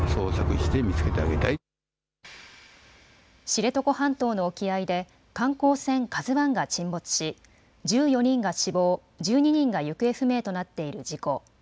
知床半島の沖合で観光船、ＫＡＺＵが沈没し１４人が死亡、１２人が行方不明となっている事故。